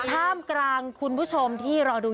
ท่ามกลางคุณผู้ชมที่รอดู